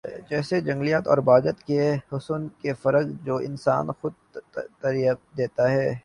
جیسے جنگلات اور باغات کے حسن کا فرق جو انسان خود ترتیب دیتا ہے